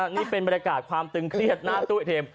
นี่เป็นบรรยากาศความตึงเครียดหน้าตู้เอ็ม